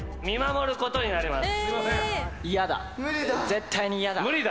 絶対に嫌だ。